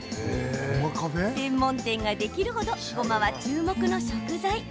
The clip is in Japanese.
専門店ができる程ごまは注目の食材。